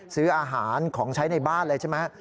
ซื้ออาหารของใช้ในบ้านเลยใช่ไหม